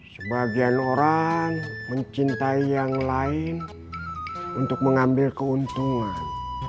sebagian orang mencintai yang lain untuk mengambil keuntungan